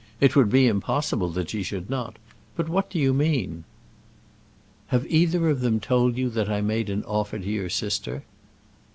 It would be impossible that she should not. But what do you mean?" "Have either of them told you that I made an offer to your sister?"